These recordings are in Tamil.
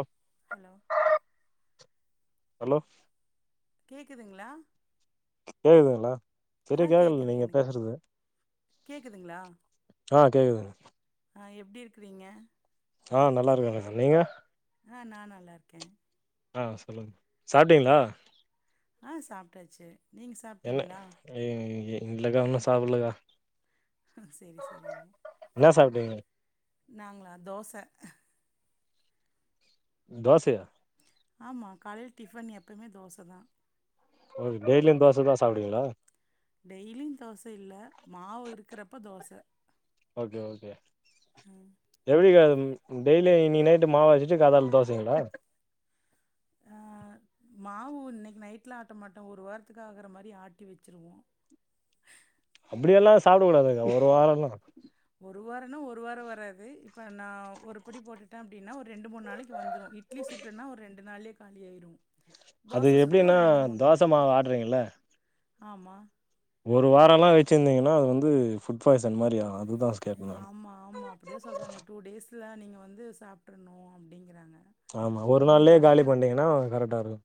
ஆஹ் ஹலோ ஹலோ கேக்குதுங்களா கேக்குதுங்களா ஆ சரியா கேக்கல கேக்குது நீங்க எனக்கு பேசுறது கேக்குதுங்களா ஆஹ் கேக்குதுங்க ஆ எப்டி இருக்கிறீங்க ஆஹ் நல்லா இருக்கங்க நீங்க ஆஹ் நா நல்லா இருக்கேன் ஆ சொல்லுங்க சாப்டீங்களா ஆ சாப்ட்டாச்சு நீங்க என்ன சாப்ட்டீங்களா ம் இல்லக்கா இன்னும் சாப்டல்லகா ஆஹ் சேரி சேரி என்ன சாப்டீங்க நாங்களா தோசை தோசையா ஆமா காலையில டிஃபன் எப்பயுமே தோசை தான் ஓ டெய்லியும் தோசை தான் சாப்டுவீங்களா டெய்லியும் தோசை இல்ல மாவு இருக்கிறப்ப தோசை ஓகே ஓகே எப்படிக்கா அது ம் டெய்லி இன்னைக்கு நைட்டு மாவு அரச்சுட்டு காலைல தோசைங்களா ஆஹ் மாவு இன்னைக்கு நைட்ல ஆட்ட மாட்டோம் ஒரு வாரத்துக்கு ஆகுற மாதிரி ஆட்டி வச்சிருவோம் இப்டியெல்லாம் சாப்பிடக்கூடாதுங்க ஒரு வாரம்லாம் ஒரு வாரம்னா ஒரு வாரம் வராது இப்ப நா ஒரு படி போட்டுட்டேன் அப்படின்னா ஒரு ரெண்டு மூணு நாளைக்கு வந்துரும் இட்லி சுட்டுன்னா ஒரு ரெண்டு நாள்ளே காலியாயிரும் அது எப்படின்னா தோசை மாவு ஆட்றீங்களல ஆமா ஒரு வாரம் எல்லாம் வச்சிருந்தீங்கன்னா அது வந்து ஃபுட் பாய்சன் மாதிரி ஆகும் ஃபுட் பாய்சன்னா அதுதா நீங்க வந்து சாப்பிட்ரணும் அப்படிங்கிறாங்க ஆமா ஒரு முடிஞ்ச நாள்லயே காலி வரைக்கும் பண்டிங்கன்னா கரெக்டா இருக்கும்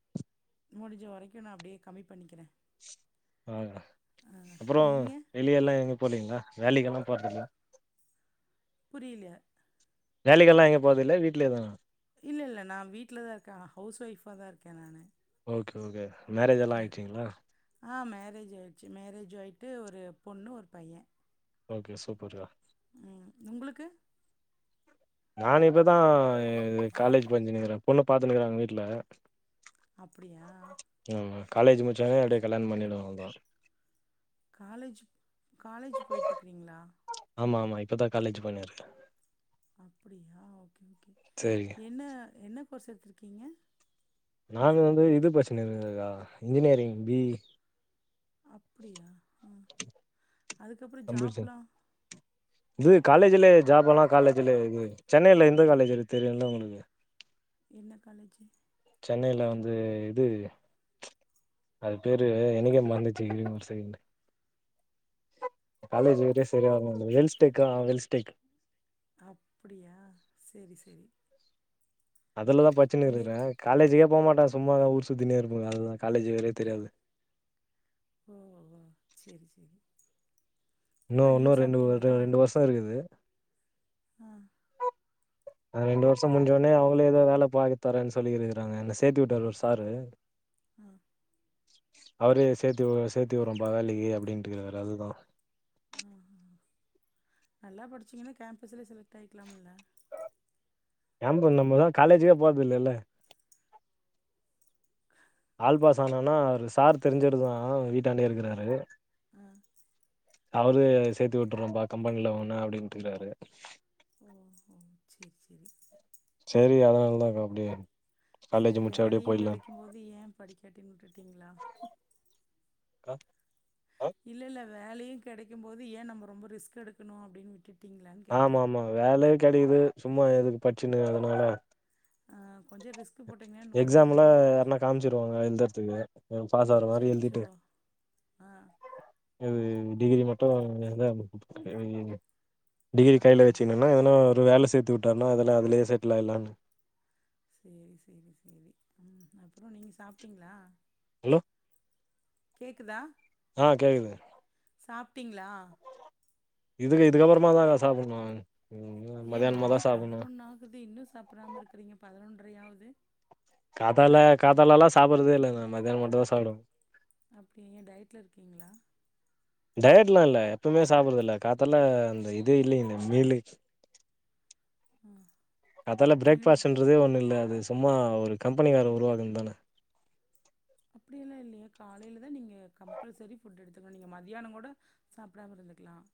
முடிஞ்ச வரைக்கும் நா அப்படியே கம்மி பண்ணிக்கிறேன் ஆ அப்புறம் நீங்கள் வெளிய எல்லாம் எங்க போனீங்களா வேலைக்கெல்லாம் போறதுல்ல புரியல வேலைக்கெல்லா எங்கயு போறது இல்ல வீட்லே தானா இல்ல இல்ல நா வீட்டுலதான் இருக்கேன் ஹவுஸ் ஒய்ஃபா தான் இருக்கேன் நானு ஓகே ஓகே மேரேஜ் எல்லாம் ஆயிடுச்சிங்களா ஆ மேரேஜ் ஆயிடுச்சு மேரேஜ் ஆயிட்டு ஒரு பொண்ணு ஒரு பையன் ஓகே சூப்பருக்கா உம் உங்களுக்கு நானு இப்பதா இது காலேஜ் படிச்சின்னுக்கிறே பொண்ணு பாத்துநிக்றான்ங்க வீட்டுல அப்டியா காலேஜ் முடிச்சேங்கே அப்டியே கல்யாண பண்ணிடுவே அவ்ளோ தா காலேஜ் காலேஜ் போயிட்டுருக்கீறீங்களா ஆமா ஆமா இப்பதான் காலேஜ் பண்ணிருக்கே அப்டியா ஓகே ஓகே சரிங்க என்ன என்ன கோர்ஸ் எடுத்துருக்கீங்க நாங்க வந்து இது படிச்சினுருக்கே கா இன்ஜினியரிங் பி இ அப்டியா ஹ அதுக்கப்பறோ கம்ப்யூட்டர் ஜாப்லா சயின்ஸ் இது காலேஜ்லயே ஜாப எல்லா காலேஜ்லயே இது சென்னைல எந்த காலேஜ் இருக்கு தெரியுல உங்களுக்கு என்ன காலேஜு சென்னைல வந்து இது அது பேரு எனக்கே மறந்துடுச்சு இருங்க ஒரு செகண்ட் காலேஜ் பேறே சரியா வரமாட் வெல்ச்டேக்க வெல்ஸ்டேக் அப்டியா சேரி சேரி அதுலதா படிச்சின்னு இருக்கறே காலேஜுகே போமாட்டே சும்மாதா ஊர் சுத்தினே இருப்பேங்க அதுதான் காலேஜ் வேறே தெரியாது ஓ ஓ சேரி சேரி இன்னு இன்னு ரெண்டுவு ரெண்டு வருஷோ இருக்குது அ ரெண்டு வருஷோ முடிஞ்சோனே அவுங்களே ஏதோ வேலை பாத்து தரேன்னு சொல்லி இருக்கிறாங்க என்ன சேத்து விட்டாரு ஒரு சாரு அ அவரே சேத்தி சேத்தி வுரே பா வேலைக்கு அப்டின்னுட்டு இருக்கிறாரு அதுதா ஆ ஆ நல்லா படிச்சீங்கனா கேம்பஸ்லயே செலக்ட் ஆயிக்கலாம்ல கேம்பு நம்மதா காலேஜுக்கே போறது இல்லேல ஆல்பாஸ் ஆனனா ஒரு சார் தெரிஞ்சவருதா வீட்டாண்டயே ஆ இருக்குறாரு ஆ அவரு சேத்து விட்டுறப்பா கம்பென்ல உன்ன அப்டினுட்ருக்கறாரு ஓ ஹ சேரி சேரி செரி அதனாலதாக்கா அப்டியே காலேஜ் செரி முடிச்சு அப்டியே வேலயு போயிட்லான்க்கா கெடைக்கு போது ஏ படிக்காட்டினு வுட்டுட்டீங்களா ஆஹ் இல்லல்ல வேலயு கெடைக்கு போது ஏ நம்ம ரொம்ப ரிஸ்க் எடுக்கணு அப்டினு விட்டுட் ஆமா ஆமா வேலே கெடைக்குது சும்மா எதுக்கு படிச்சினு அதுனால ஆ கொஞ்சம் ரிஸ்க் போட்டிங்கன்னா இன்னும் கொஞ்சம் எக்ஸாம்லா உங்களுக்கு யாருனா காமிச்சிருவாங்க எழுதுறதுக்கு உ பாசக்குற மாரி எழுதிட்டு அச்சச்சோ ஆ இது டிகிரி மட்டு இருந்தா பேயிங் ஆ டிகிரி கைல வச்சுங்கணன்னா எதனா ஒரு வேல சேத்து வுட்டாருனா அதெல்ல அதுலயே செட்டில் ஆயலானு சேரி சேரி சேரி ம் அப்புறோ நீங்க சாப்டீங்களா அலோ கேக்குதா ஆ கேக்குது சாப்டீங்களா இதுக்கு இதுக்கப்பறமா தாங்க சாப்பிணு ஏ மணி பதினொன்னு ஆகுது இன்னு சாப்பிராம இருக்கீறீங்க பதினொன்றையாவுது காத்தால காத்தாலல்லா சாப்டுறதே இல்ல மேம் மத்தியானோ மட்டு தா சாப்டுவே அப்டியா ஏ டயட்டுல இருக்கீங்களா டயட் எல்லா இல்ல எப்பவுமே சாப்படுறது இல்ல காத்தல்ல அந்த இதே இல்லைங்க மீலு [inaudible] ஆ காத்தால என்ன பிரேக்ஃபாஸ்ட்ன்றதே ஒண்ணு இல்ல து சும்மா ஒரு கம்பெனிக்கார உருவாகுன்து தான அப்டி எல்லா இல்லையே காலையில தா நீங்க கம்பல்சரி புட் எடுத்துக்கணும் நீங்க மதியியானம் கூட சாப்பிடாம இரு ருக்கலாம்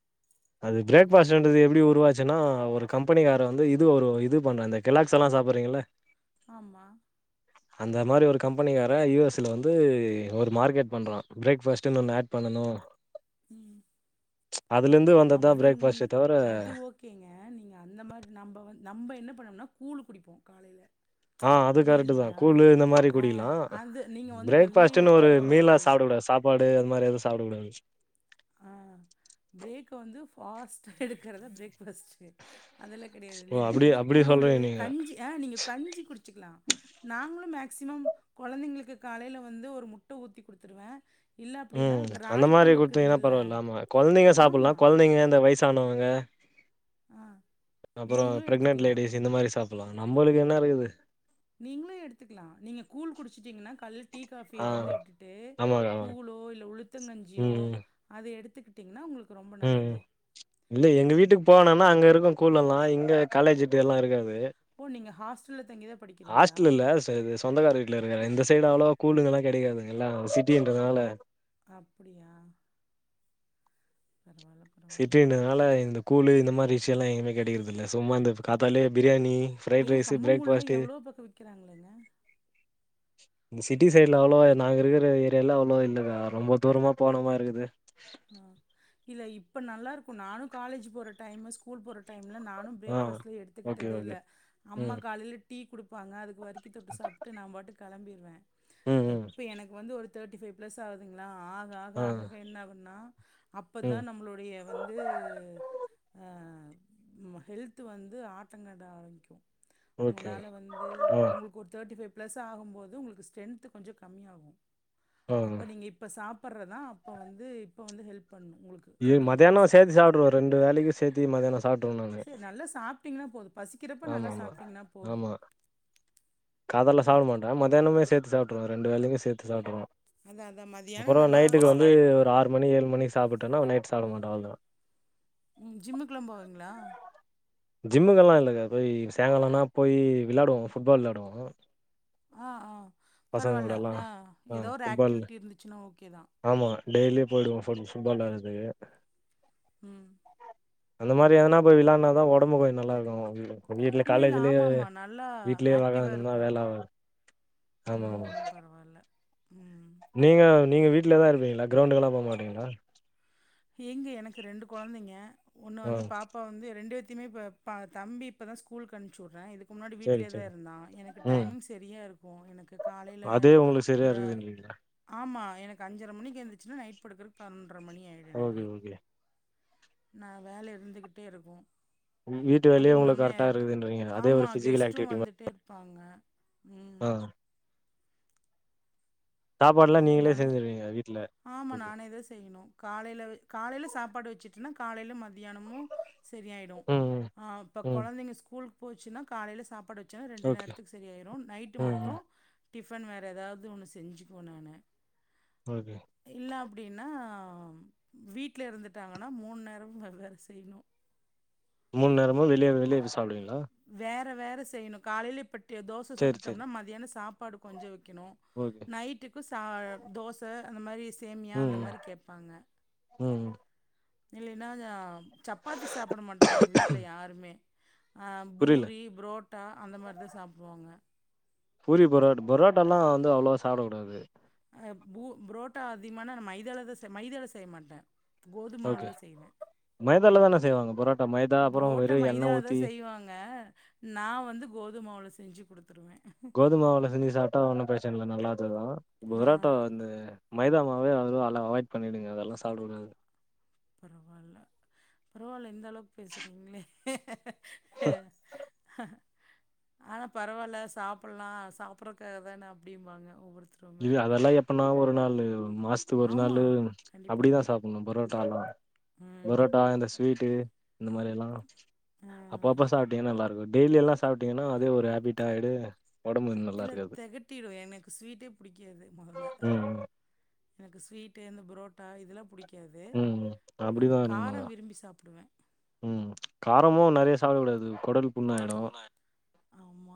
அது பிரேக்பஸ்ட்டுன்ரது எப்படி உருவாச்சுன்னா ஒரு கம்பெனிகார வந்து இது ஒரு இது பண்றான் அந்த க்ஸ் எல்லாம் சா சாப்படுறீங்கள ஆமா அந்த மாரி ஒரு கம்பெனிக்கார யுஎஸ்ல வந்து ஒரு மார்க்கெட் பண்றா பிரேக்பஸ்ட் ஒன்னு ஆட் பண்ணணு அதுலந்து வந் அவுங அது ஓகேங்க நீங்க அந்த மாரி நம்ப வ நம்ப என்ன பண்ணோம்னா கூழ் குடிப்போ கலைலா ஆ அது கரெக்ட் தா கூல்லு இந்த மாரி ஆ குடிக்கலாம் அது நீங்க வந்து ஹெவியா பிரேக்பஸ்ட்னு ஒரு மீலா எடுத்துக்கணுன்றதில்ல சாப் சாப்பாடு அது மாரி எதுவும் சாப்டக்க கூடாது ஆ பிரேக்க வந்து ஃபாஸ்ட்டா எடுக்கிறத பிரேக்ஃபஸ்ட்டு அதெல்லா கிடையாது ஓ நீங்க அப்டி வந்து அப்டி கூழ் சொல்றீங்க நீங்க கஞ்சி ஆ நீங்க கஞ்சி குடிச்சிக்கலாம் நாங்களும் மேக மே்சிமம் குழந்தைங்களுக்கு காலையில வந்து ஒரு முட்ட ஊத்தி குடுத்துடுவ இல்ல அப்படின்னா ராய்கூல் [unintelligible] ஏன்னா பரவாயில்ல குழந்தைங்க சாப்பிடல்லா குழந்தைங்க இந்த வயசானவங்க ஆ அப்ரோ நீங்களு பிரெக்னன்ட் எடுத்துக்கலா லேடிஸ் இந்த மாரி சாப்டலா நம்மளுக்கு என்ன இருக்குது நீங்களும் எடுத்துக்கலாம் நீங்க கூழ் குடிச்சட்டீங்கன்னா காலையில டீ காஃபியை ஆ வந்து விட்டுட்டு ஆமாங்க ஆமாங்க கூளோ இல்ல ம் உளுத்தங்கஞ்சியோ அத எடுத் துக்கிட்டீங்கன்னா உங்களுக்கு ரொம்ப ம் ம் நல்லது இல்ல எங்க வீட்டுக்கு போவேன்னா ஆனா அங்க இருக்கும் கூல் எல்லாம் இங்க காலேஜ்ட்டுல்லாம் இருக்காது ஓ நீங்க ஹாஸ்டல்ல தங்கிதா படிக்கிறீங்களா ஹாஸ்டல்ல இது சொந்தக்கார வீட்டுல இருக்குற இந்த சைடு அவ்வளவா கூளுங்கல்லாம் கிடைக்காதுங்க எல்லா சிட்டின்றது நால்ல அப்டியா சிட்டின்றதுனால இந்த கூல்லு இந்த மாதிரி விஷய எல்லாம் எங்கேுமே கிடைறதில்லலை சும்மா இந்த காத்தாலயே இந்த பிரியாணி ஃப்ரைட் ஏய ரைஸு கம்மங்கள்ளலாம் பிரேக்ஃபாஸ்ட்டு எவ்வளவு பக்கம் விக்கிறாங்களேங்க இந்த சிட்டி சைடுல அவ்வளோ நாங்க இருக்கிற ஏரியாலாம் அவ்வளோ இல்லலைகா ரொம்ப தூரமா போனமாரி இருக்குது அ இல்ல இப்ப நல்லா இருக்கும் நானும் காலேஜ் போற டைம் ஸ்கூல் போற டைம் நானும் ஆ பிரேக்ஃபஸ்ட்ல ஓகே எடுத்துக்கிட்டதே இல்ல ஓகே அம்மா ம் காலையில டீ குடுப்பாங்க அதுக்கு வரிக்கு தொட்டு சாப் ட்டு நா பாட்டுக்கு கிளம்பிருவ ம் ம் இப்ப எனக்கு வந்து ஒரு தேர்டி பைவ் பிளஸ் ஆகுதுங்களா ஆக ஆக ஆ ஆக என்ன ஆவது ன்னா அப்பதா ம் நம்பளுடைய வந்து அ ஆ ஹெல்த்து வந்து ஆட்டங்காட்ட ஆரம்பிக்கும் ஓகே உங்கனால வந்து ஆ உங்களுக்கு ஒரு தேர்ட்டி ஃபைவ் பிளஸ் ஆகும் போது உங்களுக்கு ஸ்டென்த்து கொஞ்சோ கம்மியாகு ஆ அப்ப நீங்க இப்ப சாப் படுறதான் அப்ப வந்து இப்ப வந்து ஹெல்ப் பண்ணும் உங்களுக்கு இது மதியானோ ப்ளஸ் சேத்து சாப்பிடுவ ஆனதுக்கப்புறம். ரெண்டு வேலைக்கு சேத்தி மதியானோ சாப்ட்ருவ நானு சரி நல்லா சாப்பட்டீங்கன்னா போதும் பசிக்கிறப்ப நல்லா சாப்டீங்கன்னா போதும் காதல்ல ம் சாப்ட மாட்ட மதியானம்மே சேத் து சாப்டுருவ ரெண்டு வேலைக்கு சேத்து சாப்டுருவ அதான் அதான் மதியானம் அப்ரோ நல்லா நைட்டுக்கு அப்புறம் வந்து நைட் ஒரு ஆறு மணி ஏழு மணி சாப்புட்டேனா நைட் சாப்ட மாட்டே அவ்ளதா உம் ஜிம்முக்குல்லாம் போவீங்களா ஜிம்முகெல்லா இல்லங்க போய் சாங்காலம்னா போய் விளாடுவோம் ஃபுட்பால் விளாடுவோம் ஆ ஆ பரவால்ல கூடல்லா ஆ ஆ ஏதோ ஒரு ஃபுட்பால் ஆக்டிவிட்டி இருந்துச்சுன்னா ஓகேதா ஆமா டெய்லியு போயிடுவோ ஃபு ஃபுட்பால் விளாடுறதுக்கு உம் அந்த மாரி எதுனா போய் விளான்னாதான் உடம்பு கொஞ்ச நல்லாருக்கு ப்ப வீட்ல இல்ல இல்ல காலேஜ்லியே ஆமாமா நல்லா வீட்லயே ஆக்டிவா வக்கானுருந்தா இருக்கும் வேல ஆவாது ஆமா ஆமா ம் பரவால்ல ம் நீங்க நீங்க வீட்லதா இருப்பீங்களா கிரௌண்டுக்கு எல்லா போமாட்டீங்களா ஏங்க எனக்கு ரெண்டு கொழந்தைங்க ஒண்ணு ஆ வந்து பாப்பா வந்து ரெண்டு த்திமே இப்ப பா தம்பி இப்ப தா ஸ்கூலுக்கு அன்ப்ச்சி வுட்றே முன்னாடி சேரி வீட்லியே தா சேரி இருந்தா எனக்கு ம் டைமிங்ஸ் செரியா இருக்கூ எனக்கு காலையில அதே உங்களுக்கு சரியா ஒரு இருக்குதுன்றீங்களா ஆமா எனக்கு அஞ்சர மணிக்கி எந்துருச்சேன்னா நைட் படுக்கறக்கு பதினொன்ற மணி ஓகே ஓகே நா வேல இருந்துகிட்டே இருக்கூ வீட்டு வேலையே அதுவும் உங்களுக்கு இல்லாம கரெக்டா எது இருக்குதுன்றீங்க அதே ஒரு ஆமா பிசிக்கல் கெஸ்ட்டும் ஆக்டிவிட்டி மா வந்துட்டேருப்பாங்க ஆ சாப்பாடுலா நீங்களே அதனால செஞ்சுருவீங்க வீட்ல ஆமா ஓகே நானே தா செய்யணு காலையில காலையில சாப்பாடு சிட்டுனா காலயில மத்தியானமு சரியாயிடு ம் ம் அ இப்ப ம் கொழந்தங்க ஸ்கூலக்கு போச்சுன்னா காலையில சாப்பாடு வச்சேன்னா ரெண்டு ஓகே நேரத்துக்கு சரி ஆயிரு நைட்டு ம் மட்டு ம் டிஃபன் வேற ஏதாவ்து ஒன்னு செஞ்சுக்குவேன் நானு ஓகே இல்ல அப்டின்னா வீட்ல இருந்துட்டாங்கன்னா மூண் நேரமு வெவ் வேற செய்யணு மூண் நேரமு வெளிய வெளிய போய் சாப்டுவீங்களா வேற வேற செய்யணு காலையிலப் பட்டிய தோச சேரி சேரி சுட்டுட்டோம்னா மத்தியான சாப்பாடு கொஞ்ச வெக்கணு ஓகே நைட்டுக்கு ச தோச அந்த மாரி சேமியா ம் அந்த ம் மாரி கேப்பாங்க ம் ம் இல்லேன்னா சப்பாத்தி சாப்ட மாட்டாங்க எங்க வீட்ல யாருமே அ புரில பூரி புரோட்டா அந்த மாரி தா சாப்டுவாங்க பூரி பரோட் பரோட்டா லா வந்து அவ்ளவா சாப்டக்கூடாது அ பு புரோட்டா அதிகமானா மைதால தா மைதால செய்ய மாட்ட ஓகே மைதால தான செய்வாங்க பரோட்டா மைதா அப்றோ புரோட்ட வெறு எண்ணெ மைதால தா ஊத்தி செய்வாங்க நா வந்து கோதுமாவுள செஞ்சு குடுத்துருவ டைம்ல நல்லாதுதா ஆ புரோட்டா வந்து மைதா மாவுல இப்பவே அதுலா எல்லா அவாய்ட் பண்ணிடுங்க அதெல்லா சாப்டக் கூடாது பரவால்ல பரவால்ல இந்த அளவுக்கு பேசுறீங்களே அஹஹ [inaudible] ஆனா பரவால்ல சாப்புலா சாப்டறக்காக தான அப்படிம்பாங்க ஒவ்வொருத் இது அதெல்லா எப்பனா ஒரு நாளு மாசத்க்கு ஒரு நாளு ஆமாம் கண்டிப்பாக அப்டிதா சாப்புணு பரோட் டாலா ம் பரோட்டா இந்த ஸ்வீட்டு இந்த மாரி எல்லா ஆ அப்ப அப்ப சாப்ட்டீங்கன் நல்லா இருக்கு டெய்லி எல்லா சாப்ட் டிங்கன்னா அதே ஒரு ஹேபிட் ஆய்டு ஒடம்பு நல்லா இல்ல இருக்காது தெகட்டிடு எனக்கு ஸ்வீட்டே புடிக்காது மொதல்ல ம் ம் எனக்கு ஸ்வீட்டு இந்த புரோட்டா இதுல்லா புடிக் ம் அப்டிதா இருக்கணுகா விரும்பி சாப்டுவே ம் காரமு நெறைய சாப்டக்கூடாது கொடல் புண்ணாய்டு ஆமா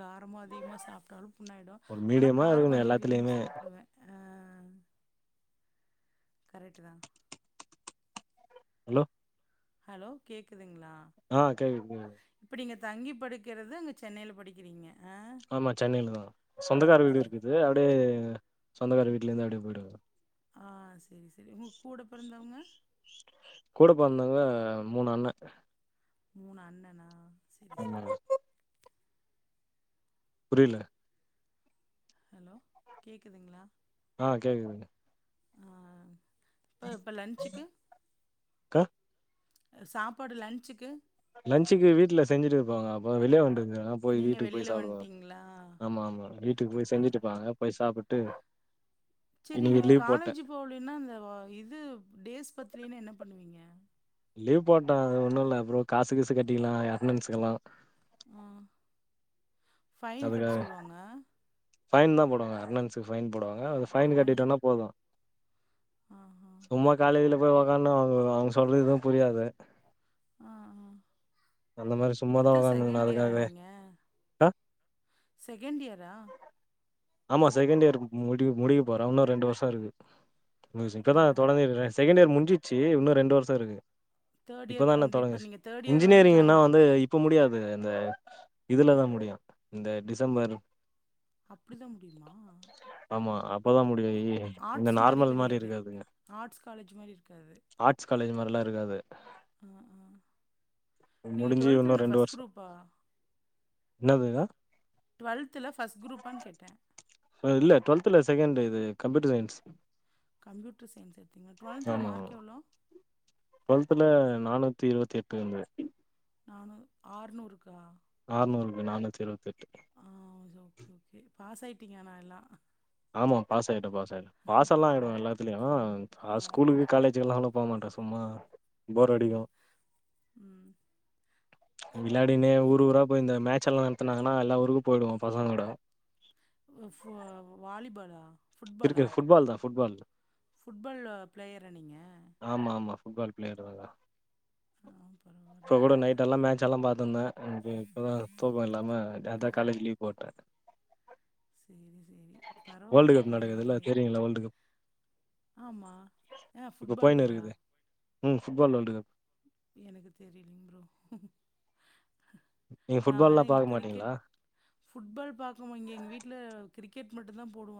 காரமு அதிகமா சாப்ட்டாலு புண்ணாய்டு ஒரு ஆனா மீடியமா காரோ இருக்கணு கொஞ்சோ விரும்பி எல்லாத்துலயுமே சாப்டுவ அ கரெட்டு தா ஹலோ ஹலோ கேக்குது ஆ கேக்குது கேக்குது நீங்க தங்கி படிக்கறது அங்க சென்னைல படிக்கிறீங்க ஆ ஆமா சென்னைய்லதா சொந்தக்கார வீடு சரி இருக்குது அப்டியே சொந்தக்கார வீட்லே இருந்தே அப்டியே போயிடுவ செரி செரி உங்க கூட பெறந்தவுங்க கூட பொறந்தவுங்க மூணு அண்ண மூணு அண்ணனா செரி ஆமா செரி புரியில ஹலோ கேக்குதுங்ளா ஆ கேக்குதுங் ப இப்ப லன்ச்சுக்கு கா சாப்பாடு லன்ச்சுக்கு லஞ்சுக்கு வீட்ல செஞ்சுட்டு இருப்பாங்க ஆப்பா வெளிய வன்ட்டு தெலா போய் நீங்கள் வீட்டுக்கு போய் வெளியில் சாப்டுவே வந்துட்டீங்களா ஆமா ஆமா வீட்டுக்கு போய் ஆ செஞ்சுட்டுப்பாங்க போய் சாப்புட் டு செரி நீங்க காலேஜ் போலின்னா அந்த இது டேஸ் பத்திலினா என்ன பண்ணுவீங்க லீவ் போட்டே அது ஒன்னு இல்ல அப்றோ காசு கீசு கட்டிக்லா எ அட்னன்சுக்கெல்லா ஆ ஃபைன் கட்ட அதுக்காக சொல்லுவாங்க ஃபைன் தா போடுவாங்க அட்னன்சுக் ஃபைன் போடுவாங்க அது ஃபைன் கட்டிட்டம்னா போது ஆஹா சும்மா காலேஜ்ல போய் ஒக்கான்னு வந்துரோ அவுங்க சொல்றது எதுவு புரியாது ஆ அந்த மாரி இப்போ சும்மாதா தான் ஒக்காந்துக்ணு செகண்ட் இயரா அதுக்காக நீங்கள் ஆ செகண்ட் இயரா ஆமா செகண்ட் இயர் முடி முடிக்க போற இன்னு ரெண்டு வர்ஷோ இருக்கு மியுஸ் ஆ இப்பதா தொடங்கிருக்கே செகண்ட் இயர் முஞ்சிச்சு உன்னு ரெண்டு வர்ஷோ இருக்கு தேர்ட் இயர் இப்பதா நா கம்ப்ளீட் இப்போ தொடங்குச் நீங்கள் தேர்ட் இயர் வந்து இன்ஜினியரிங்னா ஜாயின் வந்து இப்ப முடியாத் து இந்த இதுல தா முடியு இந்த டிசம்பர் அப்டிதா முடியுமா ஆமா அப்பதா முடியு‌ இ இந்த ஆர்ட்ஸ் மாதிரி நார்மல் மாரி கிடையாது இருக்காதுங்க ஆர்ட்ஸ் காலேஜ் மாரி இருக்காது ருகாது ஆ ஆ நீங்க முடிஞ்சு இன்னு என்ன ரெண்டு ஃபர்ஸ்ட் வர்ஷ் குரூப்பா என்னதுகா டுவெல்த்துல ஃபர்ஸ்ட் க்ரூப்பான் கேட்ட சோ இல்ல டுவெல்த்ல செகண்ட் இது கம்பீட்ட சைன்ஸ் கம்ப்யூட்டர் சைன்ஸ் எடுத்தீங்ளா டுவெல்த்ல மார்க் எவ்ளோ டுவெல்தல நானூத்தி இருவத்தி எட்டு எந்து நானு ஆற்நூறுக்கா ஆற்நூறுக்கு நானூத்தி இருவத்தி எட்டு ஆ ஓகே ஓகே பாஸ் ஆய்ட்டீங்க ஆனா எல்லா ஆமா பாஸ் ஆயிட்டோ பாஸ் ஆயிட்டே பாஸ் எல்லா ஆயிடுவே பரவாயில்ல எல்லாத்துலயு ஆ ஸ்கூலுக்கு காலேஜ்க்குலா அவ்ளப் போ மாட்டே சும்மா போர் ஆ அடிக்கூ ம் விளாடினே ஊர் ஊரா போய் இந்த மேட்ச்செல்லா நடத்துனாங்கனா எல்லா ஊருக்கு போயிடுவோ பசங்களோட அஃப்வா வாலிபாலா இருக்கு ஃபுட்பால் தா ஃபுட்பால் ஃபுட்பால்லோ பிளேயரா நீங்க ஆமா ஆமா ஃபுட்பால் பிளேயர் தாகா ஆ இப்ப பரவாயில்ல கூட நைட் எல்லா மேட்சு எல்லா பாத்திந்தே என்க்கு இப்பதா தூக்க இல்லாமே அதா காலேஜ் லீவ் போட்டே செரி செரி பரவால்ல நடக்குதுல தெரியுல்ல வேல்டு் கப் ஆமா ஆ ஃபுட்பால்லியா வேரல்டு கப் எனக்கு தெரிலிங் ப்ரோ நீங்க நா ஃபுட்பால்லா வேணா இங்க பாக்க கிரிக்கெட் மாட்டீங்களா ஃபுட்பால் பாக்குமோ இங்க எங் வீட்ல கிரிக்கெட் மட்டு தா போடுவாங்